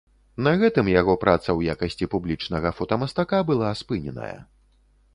На гэтым яго праца ў якасці публічнага фотамастака была спыненая.